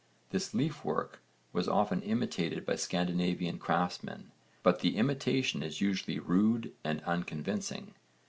This leaf work was often imitated by Scandinavian craftsmen but the imitation is usually rude and unconvincing.